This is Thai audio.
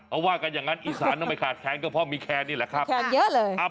เอาว่ากันอย่างนั้นอีสานไม่ขาดแคลก็เพราะมีแคลนี่แหละครับ